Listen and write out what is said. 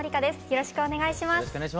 よろしくお願いします。